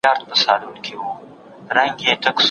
تاسو په ځغاسته کولو بوخت یاست.